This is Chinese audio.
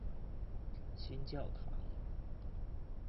新教堂。